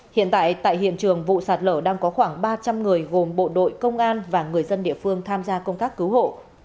hiện tại tại hiện trường vụ sạt lở đang có khoảng ba trăm linh người gồm bộ đội công an và người dân địa phương tham gia công tác cứu hộ